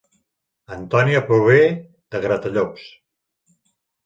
Antònia prové de Gratallops